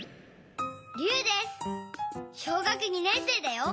小学２年生だよ。